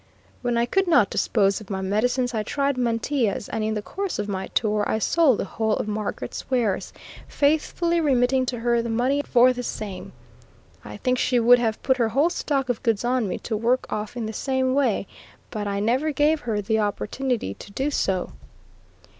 When I could not dispose of my medicines, I tried mantillas, and in the course of my tour I sold the whole of Margaret's wares, faithfully remitting to her the money for the same. I think she would have put her whole stock of goods on me to work off in the same way; but I never gave her the opportunity to do so.